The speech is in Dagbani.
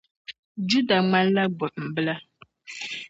Juda ŋmanila gbuɣimbila.